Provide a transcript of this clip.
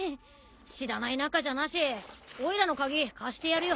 知らない仲じゃなしおいらの鍵貸してやるよ。